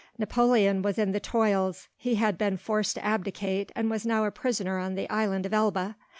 Napoleon was in the toils; he had been forced to abdicate and was now a prisoner on the island of Elba.